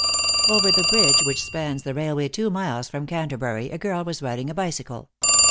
Over the bridge which spans the railway two miles from Canterbury a girl was riding a bicycle.